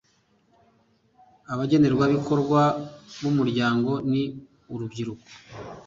abagenerwabikorwa b'umuryango ni urubyiruko